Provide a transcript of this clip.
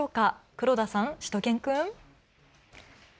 黒田さん、しゅと犬くん。